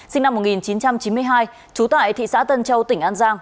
sinh năm một nghìn chín trăm chín mươi hai trú tại thị xã tân châu tỉnh an giang